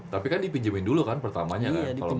tapi kan dipinjemin dulu kan pertamanya kan kalau mulai